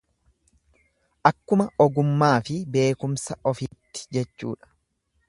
Akkuma ogummaafi beekumsa ofiitti jechuudha.